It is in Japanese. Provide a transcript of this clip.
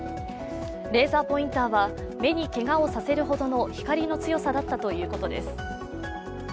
レーザーポインターは目にけがをさせるほどの光の強さだったということです。